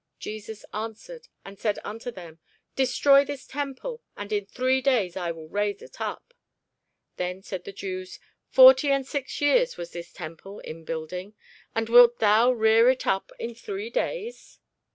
Jesus answered and said unto them, Destroy this temple, and in three days I will raise it up. Then said the Jews, Forty and six years was this temple in building, and wilt thou rear it up in three days?